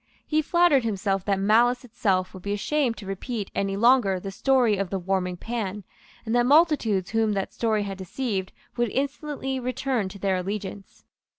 He flattered himself that malice itself would be ashamed to repeat any longer the story of the warming pan, and that multitudes whom that story had deceived would instantly return to their allegiance.